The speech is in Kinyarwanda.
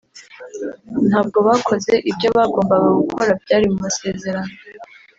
ntabwo bakoze ibyo bagombaga gukora byari mu masezerano